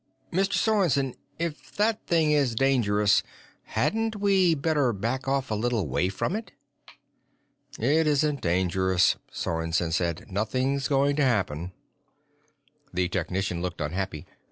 Mr. Sorensen, if that thing is dangerous, hadn't we better back off a little way from it?" "It isn't dangerous," Sorensen said. "Nothing's going to happen." The technician looked unhappy.